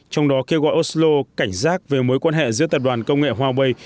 trong đó kêu gọi oslo cảnh giác về mối quan hệ giữa tập đoàn công nghệ huawei